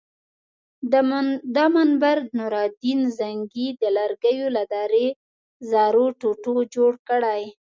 دا منبر نورالدین زنګي د لرګیو له درې زرو ټوټو جوړ کړی.